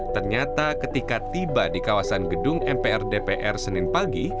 ternyata ketika tiba di kawasan gedung mpr dpr senin pagi